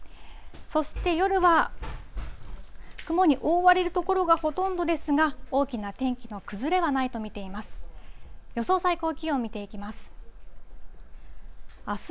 そして夜は雲に覆われる所がほとんどですが、大きな天気の崩れはないと見ています。